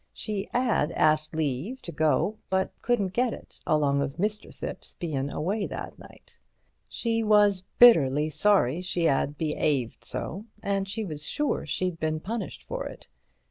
She 'ad asked leave to go, but couldn't get it, along of Mr. Thipps bein' away that night. She was bitterly sorry she 'ad be'aved so, and she was sure she'd been punished for it.